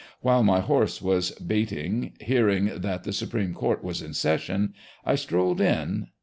While my horse was baiting, hearing that the supreme court was in session, I strolled in.